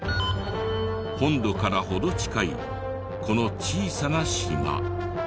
本土から程近いこの小さな島。